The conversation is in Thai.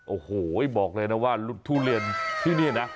โอ้โหบอกเลยนะว่าทุเรียนที่นี่นะ